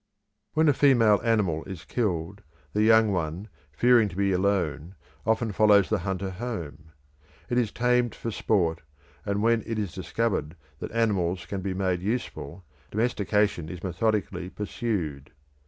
When a female animal is killed, the young one, fearing to be alone, often follows the hunter home; it is tamed for sport, and when it is discovered that animals can be made useful, domestication is methodically pursued.